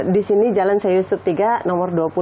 di sini jalan saya yusuf tiga nomor dua puluh